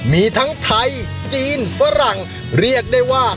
มีทั้งไทยจีนฝรั่งเรียกได้ว่า